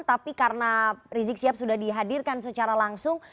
tapi karena rizik sihab sudah dihadirkan secara langsung